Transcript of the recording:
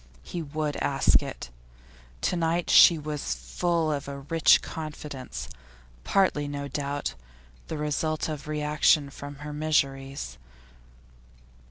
He would ask it. To night she was full of a rich confidence, partly, no doubt, the result of reaction from her miseries.